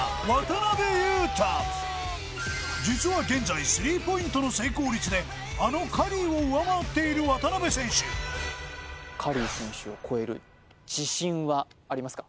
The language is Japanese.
実は現在スリーポイントの成功率であのカリーを上回っている渡邊選手カリー選手を超える自信はありますか？